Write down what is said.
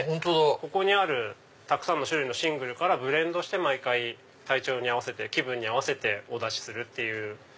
ここにあるたくさんの種類のシングルからブレンドして毎回体調に合わせて気分に合わせてお出しする。